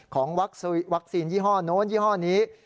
ของวัคซีนยี่ห้อโน้นยี่ห้อนี้